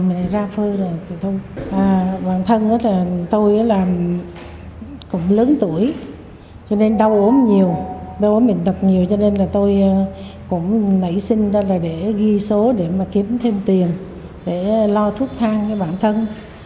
mình đã ra phơi rồi bản thân tôi cũng lớn tuổi cho nên đau ốm nhiều đau ốm bệnh tật nhiều cho nên tôi cũng nảy sinh ra để ghi số để mà kiếm thêm tiền để lo thuốc thang với bản thân